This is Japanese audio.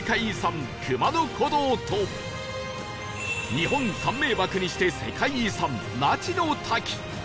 日本三名瀑にして世界遺産那智の滝